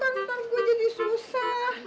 ntar gue jadi susah